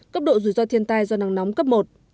cấp độ rủi ro thiên tai do nắng nóng cấp một